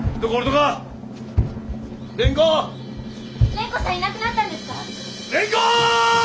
蓮子さんいなくなったんですか！？